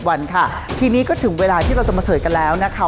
วันค่ะทีนี้ก็ถึงเวลาที่เราจะมาเฉยกันแล้วนะคะ